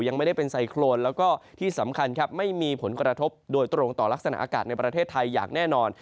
ยังไม่ได้เป็นไซโครนแล้วก็ที่สำคัญครับไม่มีผลกระทบโดยตรงต่อลักษณะอากาศในประเทศไทยอย่างแน่นอน